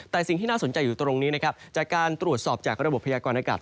แต่สิ่งที่น่าสนใจอยู่ตรงนี้นะครับจากการตรวจสอบจากระบบพยากรณากาศ